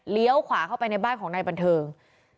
ขวาเข้าไปในบ้านของนายบันเทิง